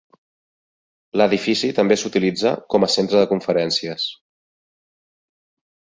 L'edifici també s'utilitza com a centre de conferències.